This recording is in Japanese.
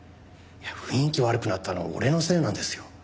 雰囲気悪くなったの俺のせいなんですよ。